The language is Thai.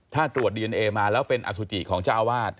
ถ้าตรวจดีเอนเอมาแล้วเป็นอสุจิของเจ้าอาวาส